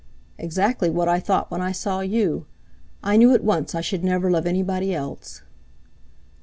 "Exactly what I thought when I saw you. I knew at once I should never love anybody else."